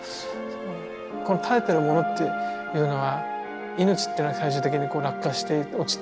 この垂れてるものっていうのは命っていうのは最終的に落下して落ちて。